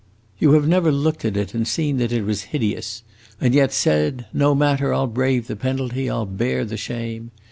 You have never looked at it and seen that it was hideous, and yet said, 'No matter, I 'll brave the penalty, I 'll bear the shame!